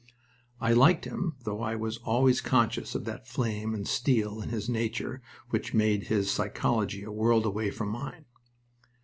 I liked him, though I was always conscious of that flame and steel in his nature which made his psychology a world away from mine.